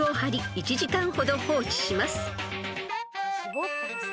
１時間ほど放置します］